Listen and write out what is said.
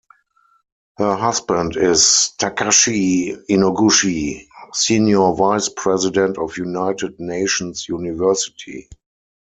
Her husband is Takashi Inoguchi, senior vice president of United Nations University.